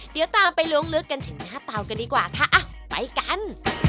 เดี๋ยวตามไปล้วงลึกกันถึงหน้าเตากันดีกว่าค่ะไปกัน